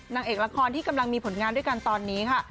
นางเอกละครที่กำลังมีผลงานด้วยกันตอนนี้ค่ะ